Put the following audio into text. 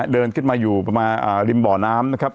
เดินขึ้นมาอยู่ประมาณริมบ่อน้ำนะครับ